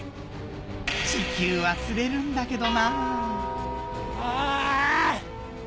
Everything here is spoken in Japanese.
地球は釣れるんだけどな